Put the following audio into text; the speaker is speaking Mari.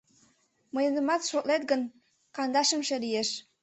Мыйынымат шотлет гын, кандашымше лиеш.